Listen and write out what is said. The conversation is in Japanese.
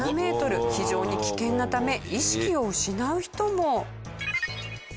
非常に危険なため意識を失う人も。